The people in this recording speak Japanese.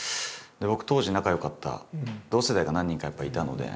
僕当時仲よかった同世代が何人かやっぱりいたので同級生が。